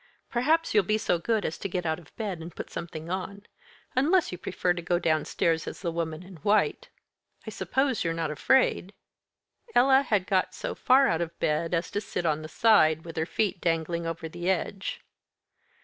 "Perhaps you'll be so good as to get out of bed, and put something on, unless you prefer to go downstairs as the Woman in White. I suppose you're not afraid?" Ella had got so far out of bed as to sit on the side, with her feet dangling over the edge.